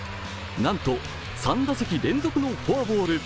なんと３打席連続のフォアボール。